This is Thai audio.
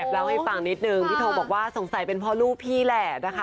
เล่าให้ฟังนิดนึงพี่โทบอกว่าสงสัยเป็นพ่อลูกพี่แหละนะคะ